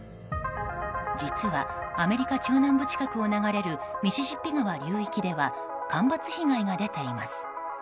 実はアメリカ中南部近くを流れるミシシッピ川流域では干ばつ被害が出ています。